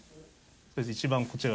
一番こちら。